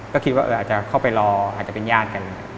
ก็คิดว่าอาจจะเข้าไปรออาจจะเป็นญาติกัน